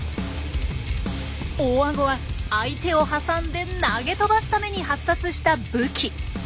大アゴは相手をはさんで投げ飛ばすために発達した武器。